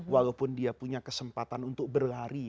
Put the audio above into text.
walaupun dia punya kesempatan untuk berlari